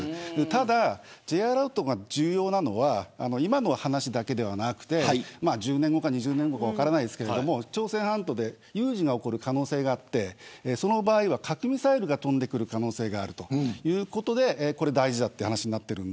ただ、Ｊアラートが重要なのは今の話だけではなくて１０年後か２０年後か分からないですけれども朝鮮半島で有事が起こる可能性があってその場合は核ミサイルが飛んでくる可能性があるということで大事だという話になっています。